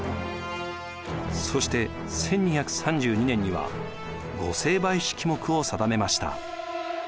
そして１２３２年には御成敗式目を定めました。